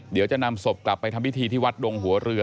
เดี๋ยวจะนำศพกลับไปทำพิธีที่วัดดงหัวเรือ